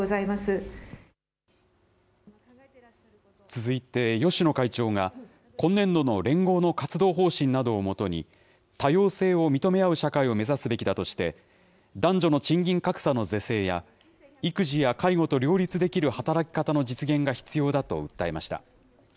続いて芳野会長が、今年度の連合の活動方針などを基に、多様性を認め合う社会を目指すべきだとして、男女の賃金格差の是正や、育児や介護と両立できる働き方の実現が必要だと訴えました。